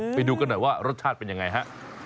ไปดูกันหน่อยว่ารสชาติเป็นยังไงฮะ